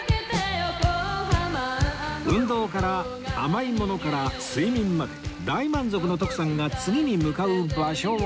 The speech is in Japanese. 運動から甘いものから睡眠まで大満足の徳さんが次に向かう場所は